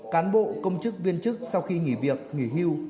cán bộ công chức viên chức sau khi nghỉ việc nghỉ hưu